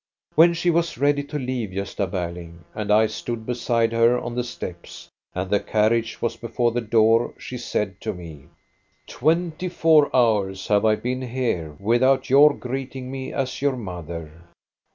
" When she was ready to leave, Gosta Berling, and I stood beside her on the steps, and the carriage was before the door, she said to me :—"' Twenty four hours have I been here, without your greeting me as your mother.